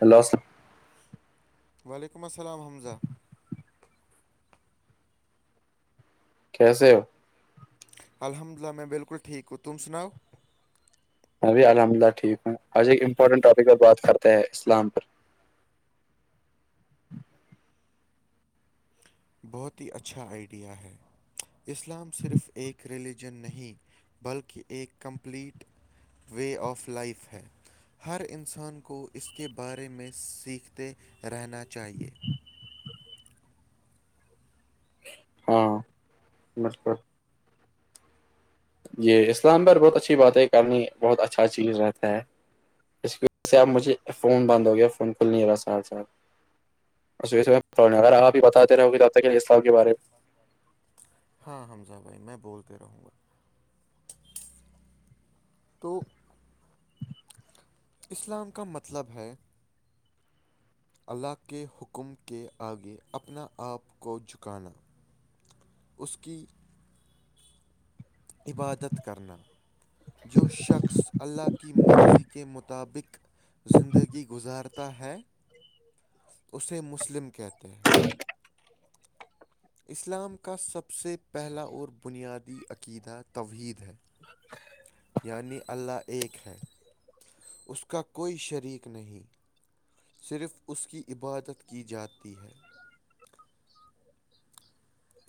ہیلور وعلیکم السلام حمزہ کیسے ہو الحمد اللہ میں بالکل ٹھیک ہوں تم سناؤ ابی الحمد للہ ٹھیک ہوں آج ایک امپورٹینٹ ٹاپ پر بات کرتے ہے اسلام پر بہت ہی اچھا آئیڈیا ہے اسلام صرف ایک ریلیجن نہیں بلکہ ایک کمپلیٹ وے آف لائف ہے ہر انسان کو اس کے بارے میں سیکھتے رہنا چاہیے ہاں مس یہ اسلام آباد بہت اچھی بات ہے کرنی بہت اچھا چیز رہتا ہے اس کی وجہ سے اب مجھے فون بند ہو گیا فون کھل نہیں رہا سر ساتھ اگر آپ باتے رہے کہ کے بارے میں ہاں حمزہ بھائی میں بولتے رہوں گا تو اسلام کا مطلب ہے اللہ کے حکم کے آگے اپنا آپ کو جھکانا اس کی عبادت کرنا جو شخص اللہ کی مرضی کے مطابق زندگی گزارتا ہے اسے مسلم کہتے ہیں اسلام کا سب سے پہلا اور بنیادی عقیدہ توحید ہے یعنی اللہ ایک ہے اس کا کوئی شریک نہیں صرف اس کی عبادت کی جاتی ہے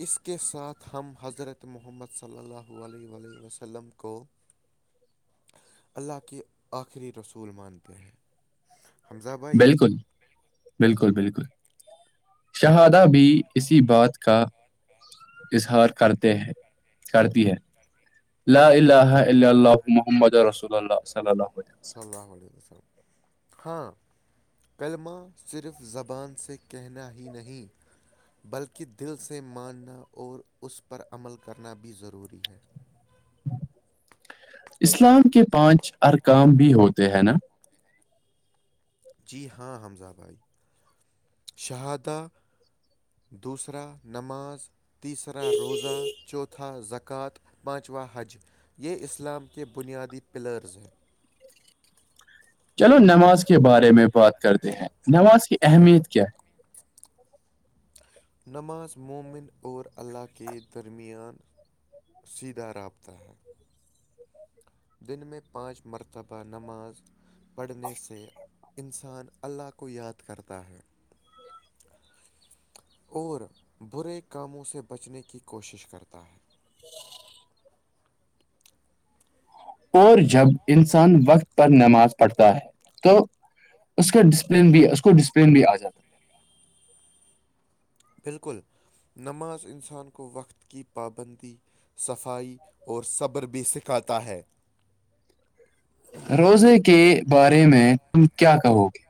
اس کے ساتھ ہم حضرت محمد صلی اللہ عللیہ وسلم کو [inaudible] اللہ کے آخری رسول مانتے ہیں حمزہ میں بھائی بالکل بالکل بالکل شہادہ بھی اسی بات کا اظہار کرتے ہیں کرتی ہے لاالاہ اللہ محمد رولروسولاللا صلی اللہ علد وسلم ہاں کلمہ صرف زبان سے کہنا ہی نہیں بلکہ دل سے ماننا اور اس پر عمل کرنا بھی ضروری ہے اسلام کے پانچ ارکام بھی ہوتے ہیں نا جی ہاں حمزہ بھائی شہادہ دوسرا نماز تیسرا روزہ چوتھا زکوۃ پانچواں حج یہ اسلام کے بنیادی پلرز ہیں چلو نماز کے بارے میں بات کرتے ہیں نماز کی اہمیت کیا ہے نماز مومن اور اللہ کے درمیان سیدھا رابطہ ہے دن میں پانچ مرتبہ نماز پڑھنے سے انسان اللہ کو یاد کرتا ہے اور برے کاموں سے بچنے کی کوشش کرتا ہے [inaudible] اور جب انسان وقت پر نماز پڑھتا ہے تو اس کا ڈسپلن بھی اس کو ڈسپلن بھی آ جاتا ہے بالکل نماز انسان کو وقت کی پابندی صفائی اور صبر بھی سکھاتا ہے روزے کے بارے میں تم کیا کہو گے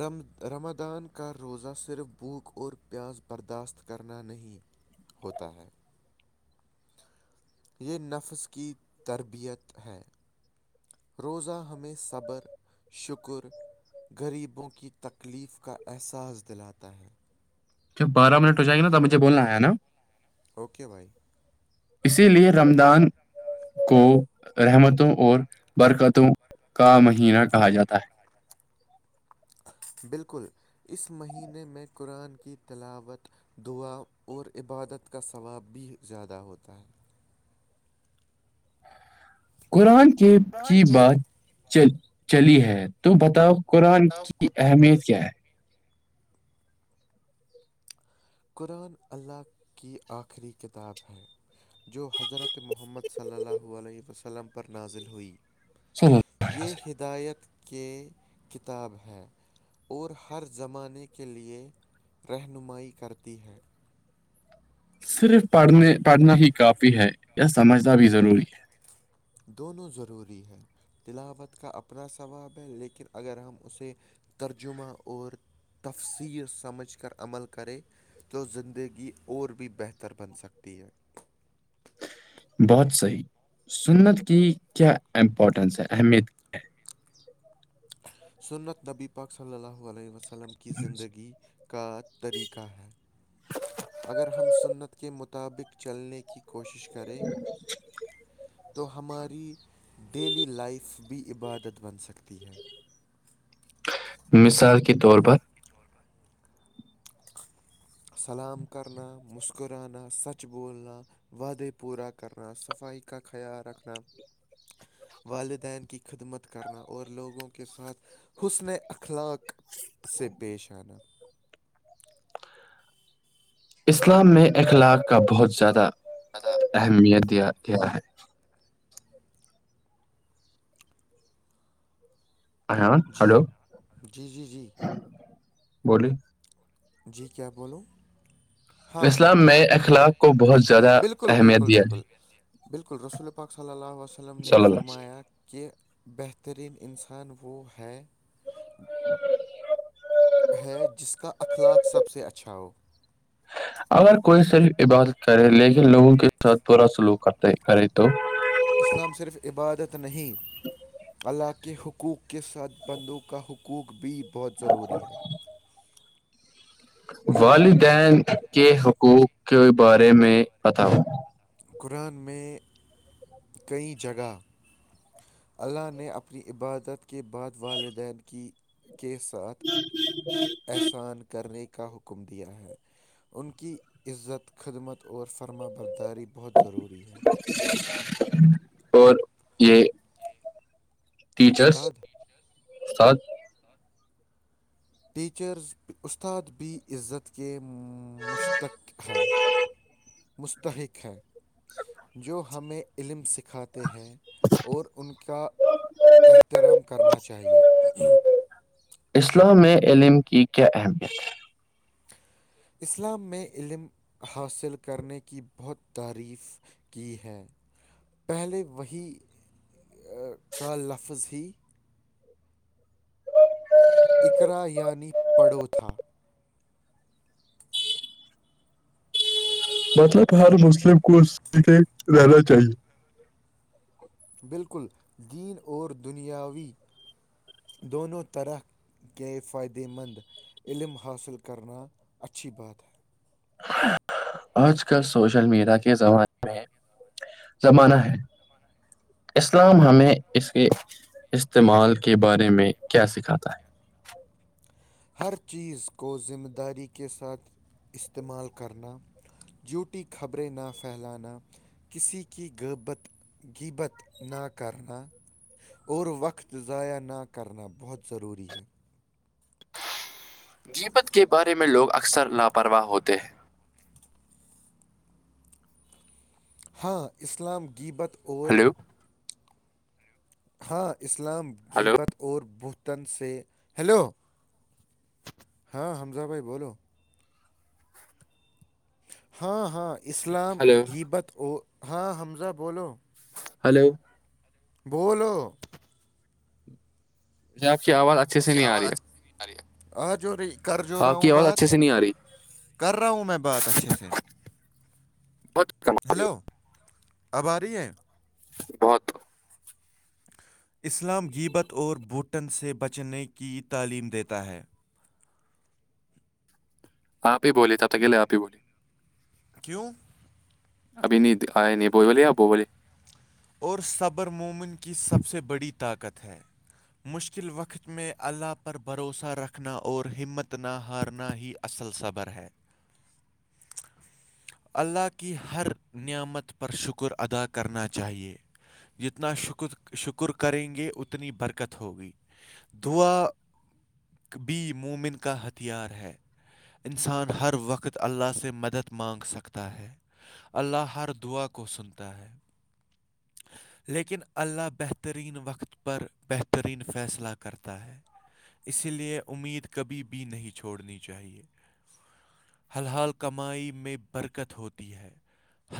رم رمادان کا روزہ صرف بھوک اور پیاس برداشت کرنا نہیں ہوتا ہے یہ نفس کی تربیت ہے روزہ ہمیں صبر شکر غریبوں کی تکلیف کا احساس دلاتا ہے جب بارہ منٹ ہو جاےگے تب مجھے بولنا ہے نا اوکے بھائی اسی لیے رمضان کو رحمتوں اور برکتوں کا مہینہ کہا جاتا ہے بالکل اس مہینے میں قرآن کی تلاوت دعا اور عبادت کا ثواب بھی زیادہ ہوتا ہے قرآن کے کی بات چلی ہے تو بتاؤ قرآن کی اہمیت کیا ہے قرآن اللہ کی آخری کتاب ہے جو حضرت محمد صلی اللہ علیہ وسلم پر نازل ہوئی چر یہ ہدایت کے کتاب ہے اور ہر زمانے کے لیے رہنمائی کرتی ہے صرف پڑھنے پڑھنے ہی کافی ہے یا سمجھنا بھی ضروری ہے دونوں ضروری ہیں تلاوت کا اپنا ثواب ہے لیکن اگر ہم اسے ترجمہ اور تفصیل سمجھ کر عمل کرے تو زندگی اور بھی بہتر بن سکتی ہے بہت صحیح سنت کی کیا امپورٹنس ہے اہمیت سنت نبی پاک صلی اللہ علیہ وسلم کی زندگی کا طریقہ ہے اگر ہم سنت کے مطابق چلنے کی کوشش کرےیں تو ہماری ڈیلی لائف بھی عبادت بن سکتی ہے مثال کے طور پر سلام کرنا مسکرانا سچ بولنا وعدے پورا کرنا صفائی کا خیال رکھنا والدین کی خدمت کرنا اور لوگوں کے ساتھ حسن اخلاق سے پیش آنا اسلام میں اخلاق کا بہت زیادہ ادا اہمیت دیا گیا ہے ہاں جی ہلو جی جی جی بولیے جی کیا بولوں ہاں اسلام میں اخلاق کو بہت زیادہ بالکل اہمیت بالکل دیا ہے بالکل بالکل رسول پاک ص اللہ وسلم نے صلی یہ اللہ علیہ وسلم فرمایا کہ بہترین انسان وہ ہے ج ہے جس کا اخلاق سب سے اچھا ہو اگر کوئی صرف عبادت کرے لیکن لوگوں کے ساتھ پورا سلوک کرتے کرے تو اسلام صرف عبادت نہیں ال کے حقوق کے ساتھ بندوں کا حقوق بھی بہت ضروری ہے والدین کے حقوق کے بارے میں بتاؤ قرآن میں کئی جگہ اللہ نے اپنی عبادت کے بعد والدین کی کے ساتھ ہاں ج احسان کرنے کا حکم دیا ہے ان کی عزت خدمت اور فرما برداری بہت ضروری ہے اور یہ ٹیچرس استاد سات ٹیچرز استاد بھی عزت کے مشتق ہے مستحق ہیں جو ہمیں علم سکھاتے ہیں اور ان کا احترام کرنا چاہیے اسلام میں علم کی کیا اہمیت ہے اسلام میں علم حاصل کرنے کی بہت تعریف کی ہے پہلے وہی کا لفظ ہی اقرا یعنی پڑو تھا مطلب ہر مسلم کو اس رہنا چاہیے بالکل دین اور دنیاوی دونوں طرح کے فائدے مند علم حاصل کرنا اچھی بات ہے آج کل سوشل میڈیا کے زمانے میں زمانہ ہے اسلام ہمیں اس کے استعمال کے بارے میں کیا سکھاتا ہے ہر چیز کو ذمہ داری کے ساتھ استعمال کرنا جوٹی خبریں نہ پھیلانا کسی کی غربت بت نہ کرنا اور وقت ضائع نہ کرنا بہت ضروری ہے جیپت کے بارے میں لوگ اکثر لاپرواہ ہوتے ہیں ہاں اسلام گیبت اور ہلو ہاں اسلام ہلو گبت اور بت تن سے ہیلو ہاں حمزہ بھائی بولو ہاں ہاں اسلام ہلو جیبت او ہاں حمزہ بولو ہلو بولو ج آپ کی آواز اچھے سے نہیں آ رہی ہے ااز آ ہو رہی کر جو رہا آپ کی ہوں آواز بات اچھے سے نہیں آ رہی کر رہا ہوں میں بات اچھے سے بہت کم آ رہی ہیلو ہے اب آ رہی ہیں بہت اسلام گبت اور بھوٹن سے بچنے کی تعلیم دیتا ہے آپ ہی بوللیے ت اکیے آ ہی بولے کیوں ابھی نہیں آئے نہیں بوئی والے یا بو ب والے اور صبرمومن کی سب سے بڑی طاقت ہے مشکل وقت میں اللہ پر بھروسہ رکھنا اور ہمت نہ ہارنا ہی اصل صبر ہے اللہ کی ہر نعمت پر شکر ادا کرنا چاہ چاہے جتنا شکر شکر کریں گے اتنی برکت ہوگی دععا بھی مومن کا ہتھیار ہے انسان ہر وقت اللہ سے مدد مانگ سکتا ہے اللہ ہر دعا کو سنتا ہے لیکن اللہ بہترین وقت پر بہترین فیصلہ کرتا ہے اسی لیے امید کبھی بھی نہیں چھوڑنی چاہیے حل حال کمائی میں برکت ہوتی ہے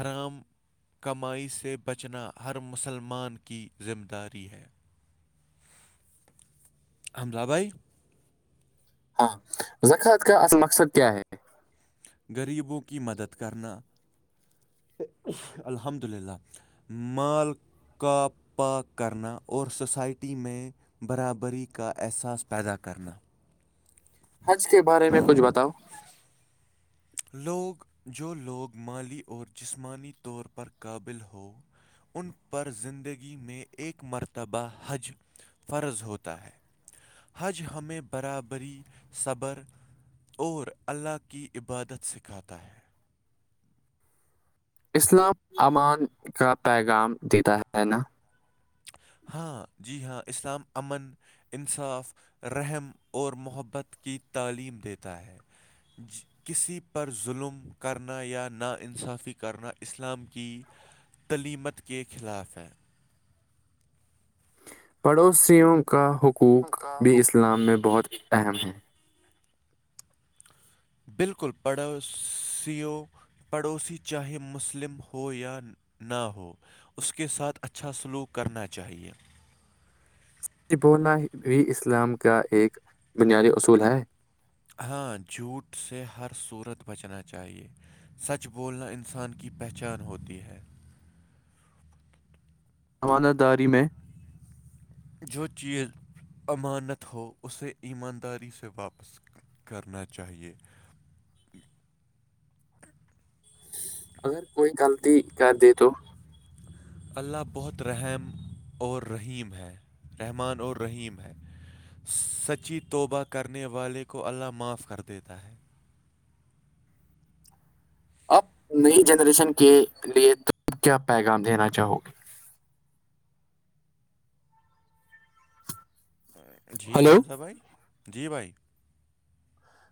حرام کمائی سے بچنا ہر مسلمان کی ذمہ داری ہے حمد بھائی ہاں زکت کا اصل مقصد کیا ہے غریبوں کی مدد کرنا الحمد للہ مال کا پاک کرنا اور سوسائٹی میں برابری کا احساس پیدا کرنا حج کے بارے میں کچھ بتاؤ لوگ جو لوگ مالی اور جسمانی طور پر قابل ہو ان پر زندگی میں ایک مرتبہ حج فرض ہوتا ہے حج ہمیں برابری صبر اور اللہ کی عبادت سکھاتا ہے اسلام امان کا پیغام دیتا ہے نا ہاں جی ہاں اسلام امن انصاف رحم اور محبت کی تعلیم دیتا ہے کسی پر ظلم کرنا یا نا انصافی کرنا اسلام کی تلیمت کے خلاف ہیں پڑوسیوں کا حقوق کا بھی ہو اسلام میں بہت اہم ہے بالکل پڑھو سیو پڑوسی چاہے مسلم ہو یا نہ ہو اس کے ساتھ اچھا سلوک کرنا چاہیے یہ بولنا بھی اسلام کا ایک بنیادی اصول ہے ہاں جھوٹ سے ہر صورت بچنا چاہیے سچ بولنا انسان کی پہچان ہوتی ہے حمانہ داری میں جو چیز امانت ہو اسے ایمانداری سے واپس کرنا چاہیے اگر کوئی غلطی کر دے تو اللہ بہت رحم اور رحیم ہے رحمان اور رحیم ہے سچی توبہ کرنے والے کو اللہ معاف کر دیتا ہے اب نئی جنریشن کے لیے تم کیا پیغام دینا چاہو گے جی ہلو حمزہ بھائی جی بھائی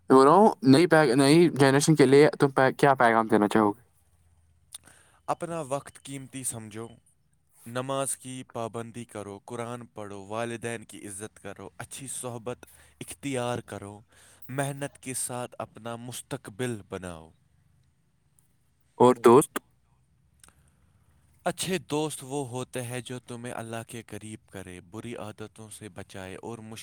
بول رہا ہوں نئی نئی جنریشن کے لیے تم کیا پیغام دینا چاہو گے اپنا وقت قیمتی سمجھو نماز کی پابندی کرو قرآن پڑھو والدین کی عزت کرو اچھی صحبت اختیار کرو محنت کے ساتھ اپنا مستقبل بناؤ اور دوست اچھے دوست وہ ہوتے ہیں جو تمہیں اللہ کے قریب کرے بری عادت وں سے بچائے اور مشل